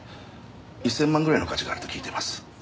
１０００万ぐらいの価値があると聞いています。